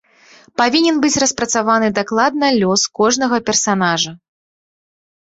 Павінен быць распрацаваны дакладна лёс кожнага персанажа.